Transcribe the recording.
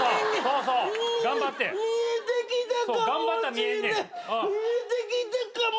見えてきたかも。